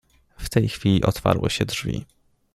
W tej chwili otwarły się drzwi.